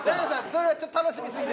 それはちょっと楽しみすぎ。